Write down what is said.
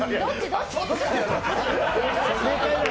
どっち？